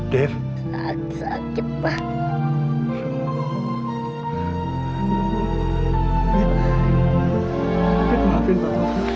maafin pak maafin pak